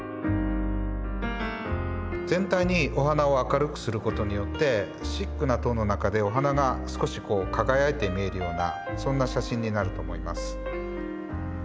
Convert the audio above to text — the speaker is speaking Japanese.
全体にお花を明るくすることによってシックなトーンの中でお花が少しこう輝いて見えるようなそんな写真になると思います。